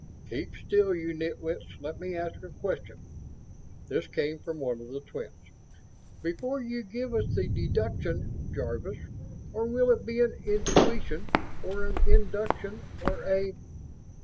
"Keep still, you nitwits! Let me ask a question!" This came from one of the twins. "Before you give us the deduction, Jarvis or will it be an intuition or an induction or a